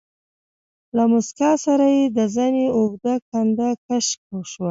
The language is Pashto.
له موسکا سره يې د زنې اوږده کنده کش شوه.